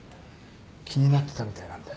気になってたみたいなんで。